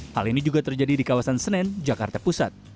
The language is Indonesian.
hal ini juga terjadi di kawasan senen jakarta pusat